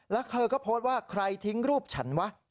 แล้วเธอก็โพสต์ว่าใครทิ้งรูปฉันวะ